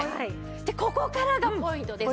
でここからがポイントです。